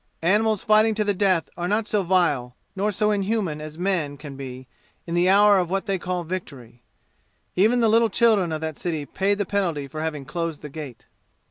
Animals fighting to the death are not so vile, nor so inhuman as men can be in the hour of what they call victory. Even the little children of that city paid the penalty for having closed the gate.